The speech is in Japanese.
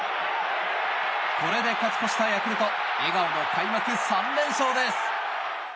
これで勝ち越したヤクルト笑顔の開幕３連勝です。